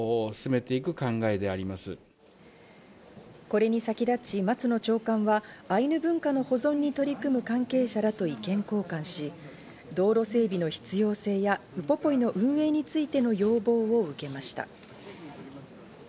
これに先立ち、松野長官はアイヌ文化の保存に取り組む関係者らと意見交換し、道路整備の必要性や、ウポポイの運営についての要望を受けました。